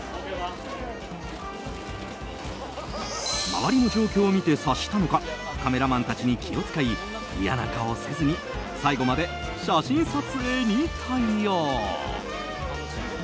周りの状況を見て察したのかカメラマンさんたちに気を使い嫌な顔をせずに最後まで写真撮影に対応。